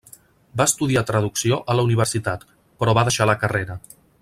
Va estudiar traducció a la universitat, però va deixar la carrera.